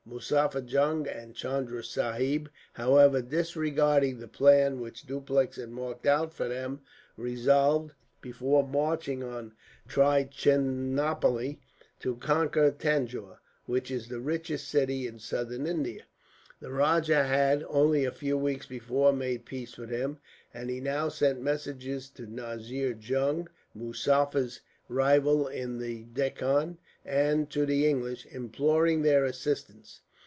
"Muzaffar Jung and Chunda Sahib, however, disregarding the plan which Dupleix had marked out for them, resolved, before marching on Trichinopoli, to conquer Tanjore, which is the richest city in Southern India. The rajah had, only a few weeks before, made peace with us; and he now sent messengers to Nazir Jung, Muzaffar's rival in the Deccan, and to the English, imploring their assistance.